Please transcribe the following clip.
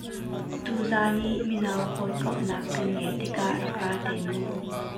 Tuzaan i mino hawikomhnak kan ngeih tik ah rak ra te mu.